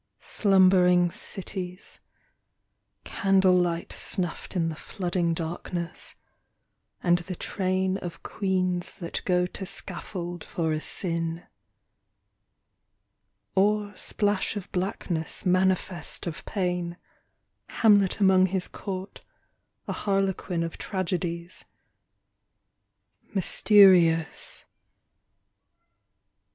Slumbering cities— Candle light Snuffed in the flooding darkness, and the train Of Queens that go to scaffold for a sin — Or splash of blackness manifest of pain, Hamlet among his court, a Harlequin Of tragedies ... Mysterious.